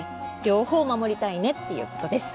両方守りたいねっていうことです。